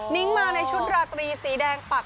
นิ้งมาในชุดราตรีสีแดงปัก